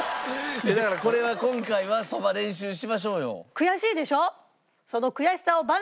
だからこれは今回はそば練習しましょうよ。悔しいでしょ？